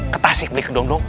ketasik beli kedong dong